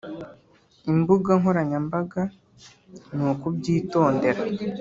imbuga nkoranyambaga, ni ukubyitondera